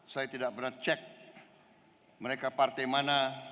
saya tidak pernah cek mereka partai mana